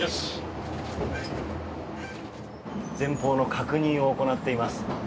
前方の確認を行っています。